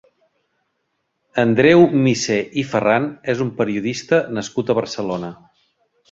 Andreu Missé i Ferran és un periodista nascut a Barcelona.